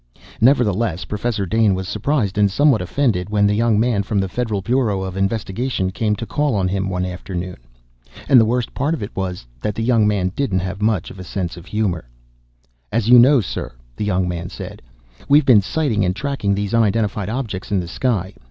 Nevertheless Professor Dane was surprised and somewhat offended when the young man from the Federal Bureau of Investigation came to call on him one afternoon. And the worst part of it was that the young man didn't have much sense of humor. "As you know, sir," the young man said, "we've been sighting and tracking these unidentified objects in the sky.